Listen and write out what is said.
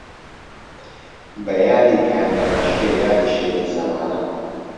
بە یادی کانیەڕەشیە یادی شێری زەمانە